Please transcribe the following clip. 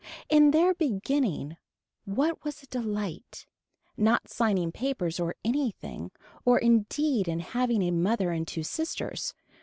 In their beginning what was a delight. Not signing papers or anything or indeed in having a mother and two sisters.